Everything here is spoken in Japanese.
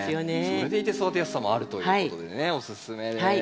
それでいて育てやすさもあるということでねおすすめです。